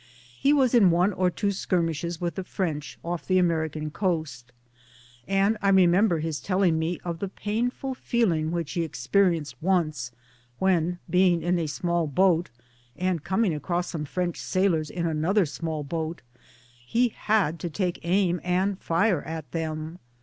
He was in one or two skirmishes with the French off the American coast, and I remember his telling me of the painful feeling which he experienced once When being in a small boat and coming across some French sailors in another small boat he had to take aim and fire at them.